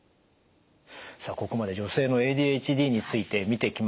さあここまで女性のＡＤＨＤについて見てきました。